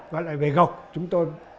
và lại về ngọc chúng tôi